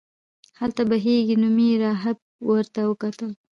هلته بهیري نومې راهب ورته وکتل.